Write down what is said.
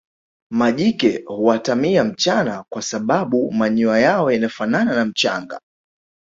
majike huatamia mchana kwa sababu manyoya yao yanafanana na mchanga